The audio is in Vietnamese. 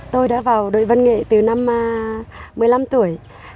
tôi đã vào đội văn nghệ từ năm một mươi năm tuổi